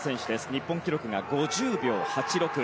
日本記録が５０秒８６。